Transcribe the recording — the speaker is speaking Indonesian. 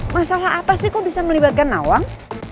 masalah apa sih kok bisa melibatkan nawang